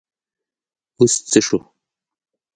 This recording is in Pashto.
اوس څه شو ؟